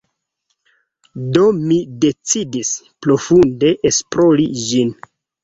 Do mi decidis profunde esplori ĝin.